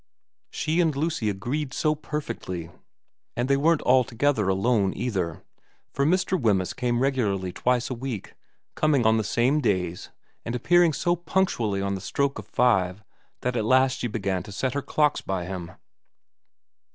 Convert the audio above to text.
She and Lucy agreed so perfectly. And they weren't altogether alone either, for Mr. Wemyss came regularly twice a week, coming on the same days, and appearing so punctually on the stroke of five that at last she began to set her clocks by him.